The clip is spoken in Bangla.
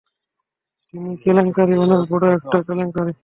চিনি কেলেংকারী অনেক বড় একটা কেলেংকারী।